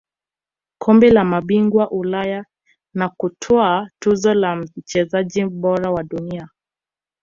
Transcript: kombe la mabingwa Ulaya na kutwaa tuzo ya mchezaji bora wa dunia